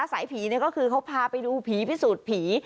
สายผีก็คือเขาพาไปดูผีพิสูจน์ผี